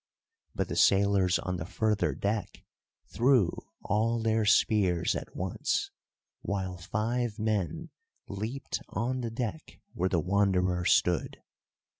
But the sailors on the further deck threw all their spears at once, while five men leaped on the deck where the Wanderer stood.